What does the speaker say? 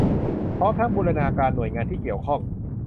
พร้อมทั้งบูรณาการหน่วยงานที่เกี่ยวข้อง